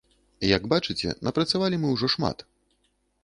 Як бачыце, напрацавалі мы ўжо шмат.